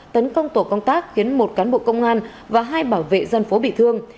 tấn công tổ công tác khiến một cán bộ công an và hai bảo vệ dân phố bị thương